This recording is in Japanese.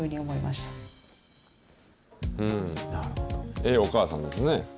ええお母さんですね。